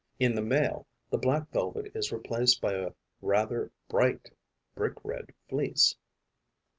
In the male, the black velvet is replaced by a rather bright brick red fleece.